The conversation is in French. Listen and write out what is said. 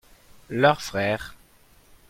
leurs frères.